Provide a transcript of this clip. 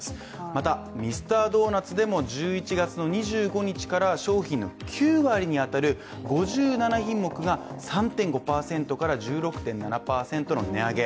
また、ミスタードーナツでも１１月２５日から商品の９割に当たる５７品目が３．５％から１６．７％の値上げ。